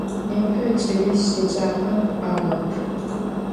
Nêpe ç'eliş yêcap'em k'uağep.